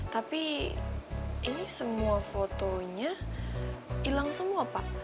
tapi ini semua fotonya hilang semua pak